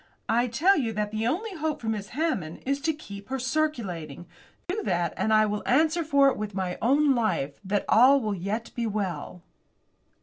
I tell you that the only hope for Miss Hammond is to keep her circulating. Do that, and I will answer for it with my own life, that all will yet be well."